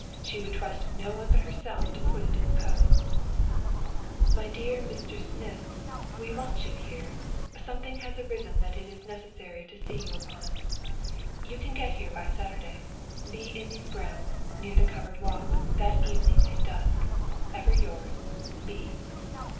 She would trust none but herself to put it in the post. "MY DEAR MR. SMITH We want you here. Something has arisen that it is necessary to see you upon. You can get here by Saturday. Be in these grounds, near the covered walk, that evening at dusk. Ever yours, "B."